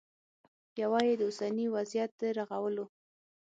یوه یې د اوسني وضعیت د رغولو